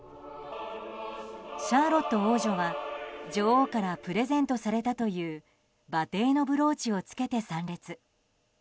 シャーロット王女は女王からプレゼントされたという馬蹄のブローチを着けて参列。